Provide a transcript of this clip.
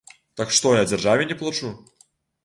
Так што, я дзяржаве не плачу?